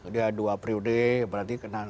dia dua periode berarti kenal